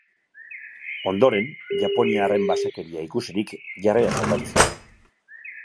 Ondoren, japoniarren basakeria ikusirik, jarreraz aldatu zen.